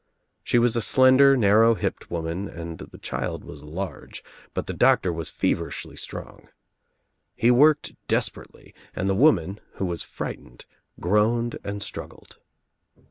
She was a slender narrow hipped woman and the child was large, but the doctor was feverishly strong. He I worked desperately and the woman, who was fright 86 THE TRIUMPH OF THE EGG ened, groaned and struggled.